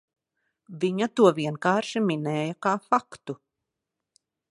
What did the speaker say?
Viņa to vienkārši minēja kā faktu.